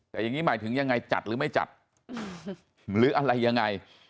แต่อย่างนี้หมายถึงยังไงจัดหรือไม่จัดหรืออะไรยังไง